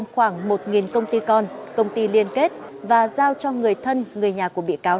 khoảng một công ty con công ty liên kết và giao cho người thân người nhà của bị cáo